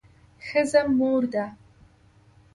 ښځه مور ده